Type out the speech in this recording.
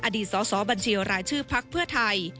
อดีตสอบัญชีรายชื่อพักเพื่อไทย